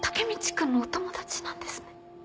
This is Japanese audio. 君のお友達なんですね。